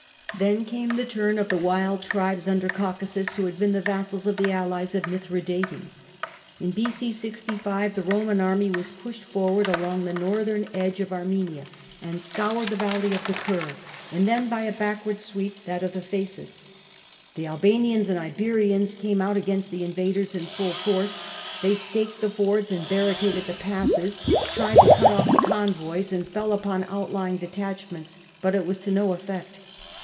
Then came the turn of the wild tribes under Caucasus, who had been the vassals and the allies of Mithradates. In B.c. 65 the Roman army was pushed forward along the northern edge of Armenia, and scoured the valley of the Kur, and then by a backward sweep that of the Phasis. The Albanians and Iberians came out against the invaders in full force ; they staked the fords and barricaded the passes, tried to cut off the convoys, and fell upon outlying detachments. But it was to no effe.ct.